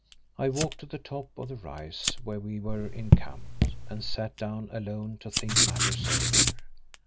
I walked to the top of the rise where we were encamped, and sat down alone to think matters over.